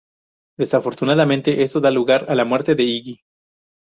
Desafortunadamente, esto da lugar a la muerte de Iggy.